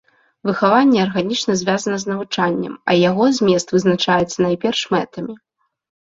Выхаванне арганічна звязана з навучаннем, а яго змест вызначаецца найперш мэтамі.